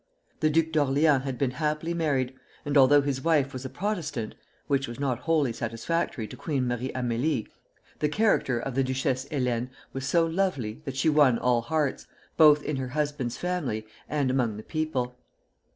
The Duke of Orleans had been happily married; and although his wife was a Protestant, which was not wholly satisfactory to Queen Marie Amélie, the character of the Duchesse Hélène was so lovely that she won all hearts, both in her husband's family and among the people.